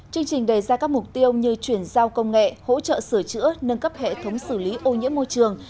chương trình đề ra các mục tiêu như chuyển giao công nghệ hỗ trợ sửa chữa nâng cấp hệ thống xử lý ô nhiễm môi trường